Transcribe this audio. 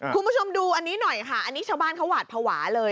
คุณผู้ชมดูอันนี้หน่อยค่ะอันนี้ชาวบ้านเขาหวาดภาวะเลย